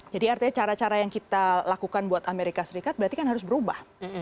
jadi artinya cara cara yang kita lakukan buat amerika serikat berarti kan harus berubah